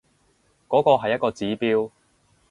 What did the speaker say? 嗰個係一個指標